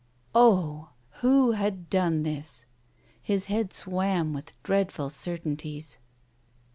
Oh ! who had done this ?... His head swam with dreadful certainties.